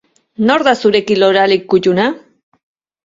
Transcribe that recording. Nor da zure kirolari kuttuna?